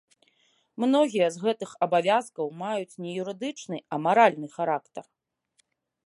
Многія з гэтых абавязкаў маюць не юрыдычны, а маральны характар.